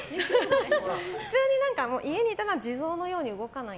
普通に家にいたら地蔵のように動かない。